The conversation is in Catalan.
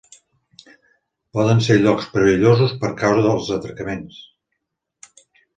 Poden ser llocs perillosos per causa dels atracaments.